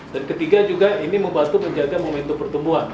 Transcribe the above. dan ketiga juga ini membantu menjaga momentum pertumbuhan